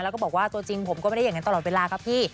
แล้วก็บอกว่าตัวจริงผมก็ไม่ได้อย่างนั้นตลอดเวลาครับพี่